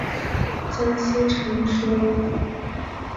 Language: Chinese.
江南常熟人。